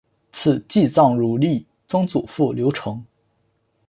赐祭葬如例曾祖父刘澄。